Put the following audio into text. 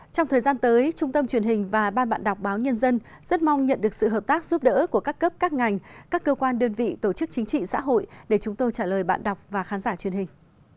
trong thời gian tới trung tâm truyền hình và ban bạn đọc báo nhân dân rất mong nhận được sự hợp tác giúp đỡ của các cấp các ngành các cơ quan đơn vị tổ chức chính trị xã hội để chúng tôi trả lời bạn đọc và khán giả truyền hình